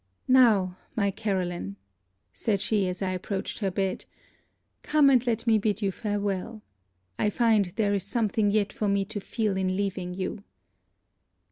'Now, my Caroline,' said she as I approached her bed, 'Come and let me bid you farewel. I find there is something yet for me to feel in leaving you.